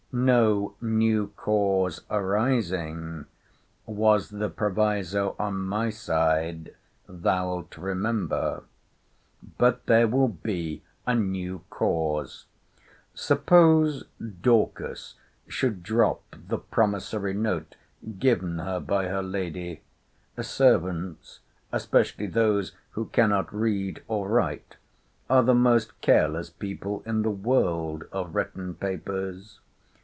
No new cause arising, was the proviso on my side, thou'lt remember. But there will be a new cause. Suppose Dorcas should drop the promissory note given her by her lady? Servants, especially those who cannot read or write, are the most careless people in the world of written papers.